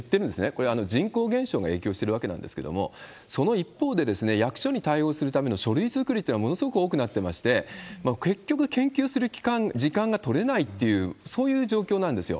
これ、人口減少が影響してるわけなんですけれども、その一方で役所に対応するための書類作りっていうのはものすごく多くなってまして、結局、研究する時間が取れないっていう、そういう状況なんですよ。